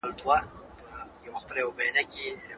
در دران څه مانا لري؟